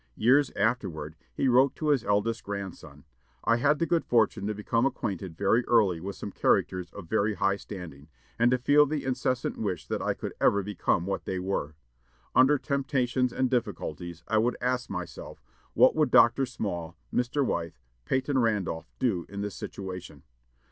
Years afterward, he wrote to his eldest grandson, "I had the good fortune to become acquainted very early with some characters of very high standing, and to feel the incessant wish that I could ever become what they were. Under temptations and difficulties, I would ask myself, what would Dr. Small, Mr. Wythe, Peyton Randolph do in this situation?